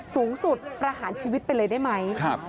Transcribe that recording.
สูงสุดประหารชีวิตเป็นเลยได้ไหมครับครับ